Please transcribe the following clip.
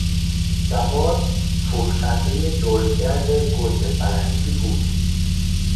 جواد، فروشنده دورهگرد گوجهفرنگی بود.